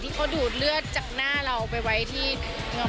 ที่เขาดูดเลือดจากหน้าเราไปไว้ที่เธอร้องไหวป่ะ